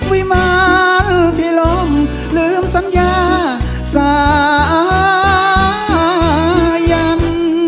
วิมารพิลมลืมสัญญาสายัน